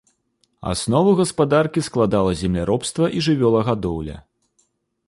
Аснову гаспадаркі складала земляробства і жывёлагадоўля.